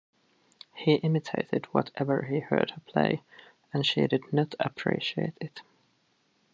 He imitated whatever he heard her play, and she did not appreciate it.